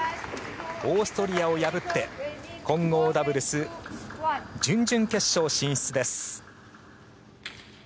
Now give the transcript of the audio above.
オーストリアを破って混合ダブルス準々決勝進出です。